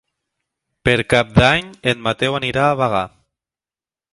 Per Cap d'Any en Mateu anirà a Bagà.